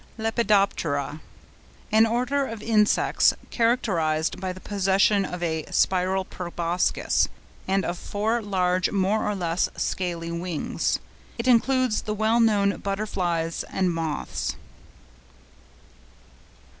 LEPIDOPTERA.—An order of insects, characterised by the possession of a spiral proboscis, and of four large more or less scaly wings. It includes the well known butterflies and moths.